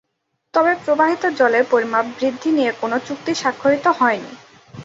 তবে প্রবাহিত জলের পরিমাপ বৃদ্ধি নিয়ে কোনো চুক্তি সাক্ষরিত হয়নি।